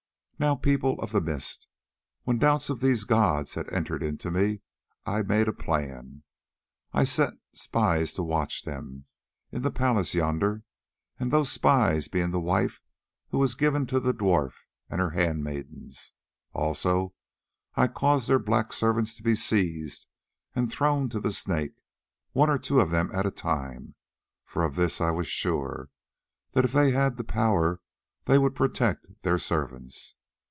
"Now, People of the Mist, when doubts of these gods had entered into me I made a plan: I set spies to watch them in the palace yonder, those spies being the wife who was given to the dwarf and her handmaidens. Also, I caused their black servants to be seized and thrown to the Snake, one or two of them at a time, for of this I was sure, that if they had the power they would protect their servants.